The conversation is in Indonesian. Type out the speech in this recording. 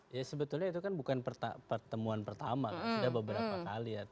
ya sebetulnya itu kan bukan pertemuan pertama sudah beberapa kali ya